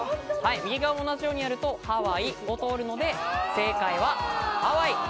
右側も同じようにやるとはわいを通るので正解はハワイ。